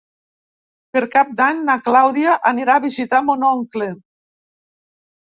Per Cap d'Any na Clàudia anirà a visitar mon oncle.